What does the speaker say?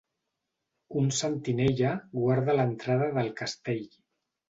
Un sentinella guarda l'entrada del castell.